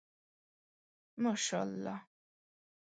ماشاءالله